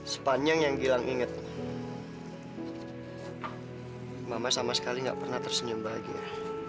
sepanjang yang gilang ingat mama sama sekali nggak pernah tersenyum bahagia